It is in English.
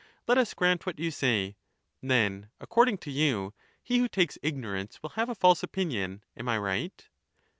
Let us grant what a mistake you say— then, according to you, he who takes ignorance will fo^^^jg. have a false opinion — am I right